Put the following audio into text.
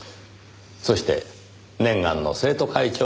そして念願の生徒会長になった。